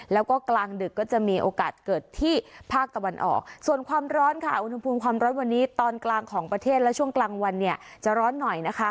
แล้วก็กลางดึกก็จะมีโอกาสเกิดที่ภาคตะวันออกส่วนความร้อนค่ะอุณหภูมิความร้อนวันนี้ตอนกลางของประเทศและช่วงกลางวันเนี่ยจะร้อนหน่อยนะคะ